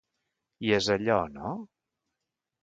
I és allò, no?